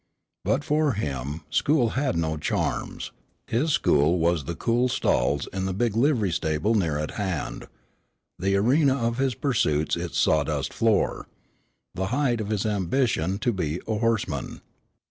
But for him school had no charms; his school was the cool stalls in the big livery stable near at hand; the arena of his pursuits its sawdust floor; the height of his ambition, to be a horseman.